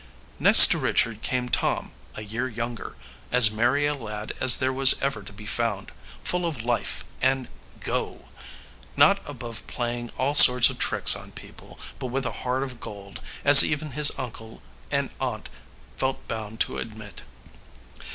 Next to Richard came Tom, a year younger, as merry a lad as there was ever to be found, full of life and "go," not above playing all sorts of tricks on people, but with a heart of gold, as even his uncle and aunt felt bound to admit.